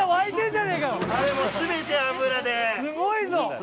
すごいぞ！